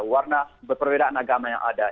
warna perbedaan agama yang ada